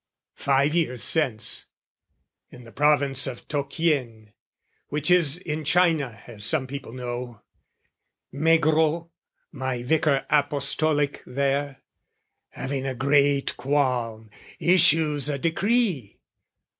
Five years since, in the Province of To kien, Which is in China as some people know, Maigrot, my Vicar Apostolic there, Having a great qualm, issues a decree.